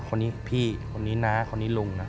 คนนี้พี่คนนี้นะคนนี้ลุงนะ